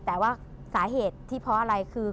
แต่ว่าสาเหตุที่เพราะอะไรคือ